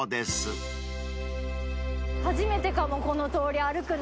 初めてかもこの通り歩くの。